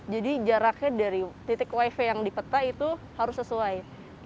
jadi jaraknya dari titik wifi yang dipetak itu harus sesuai